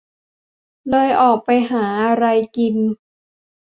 เลยออกไปหาอะไรกิน